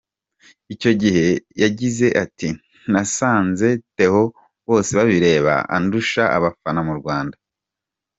Icyo gihe yagize ati “Nasanze Theo Bosebabireba andusha abafana mu Rwanda.